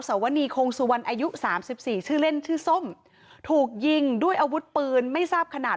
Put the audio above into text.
สวนีคงสุวรรณอายุสามสิบสี่ชื่อเล่นชื่อส้มถูกยิงด้วยอาวุธปืนไม่ทราบขนาด